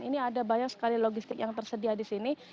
ini ada banyak sekali logistik yang tersedia di sini